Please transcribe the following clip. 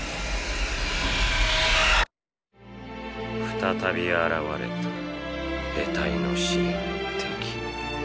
再び現れた得体の知れない敵。